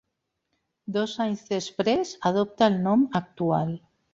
Dos anys després adoptà el nom actual.